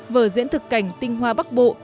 vở diễn thực cảnh tinh hoa bắc bộ